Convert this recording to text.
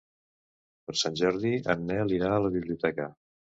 Per Sant Jordi en Nel irà a la biblioteca.